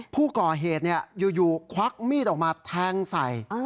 ผู้ก่อเหตุอยู่ควักมีดออกมาแทงใส่